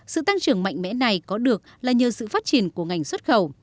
sự tăng trưởng mạnh mẽ này có được là nhờ sự phát triển của ngành xuất khẩu